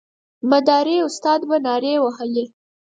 مداري استاد به نارې وهلې.